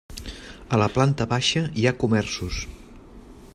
A la planta baixa hi ha comerços.